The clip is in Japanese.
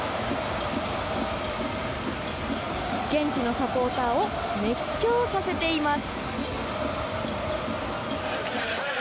現地のサポーターを熱狂させています。